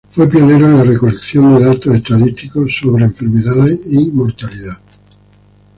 Fue pionero en la recolección datos estadísticos sobre enfermedades y sobre mortalidad.